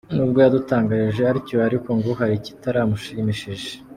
N’ubwo yadutangarije atyo ariko ngo hari ikitaramushimishije.